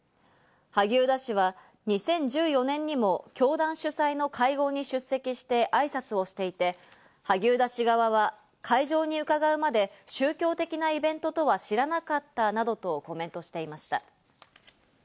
萩生田氏は２０１４年にも教団主催の会合に出席して挨拶をしていて、萩生田氏側は会場に伺うまで宗教的なイベントとは知らなかったなどとコメントしていました。